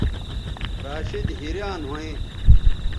راشدحیریان ھویں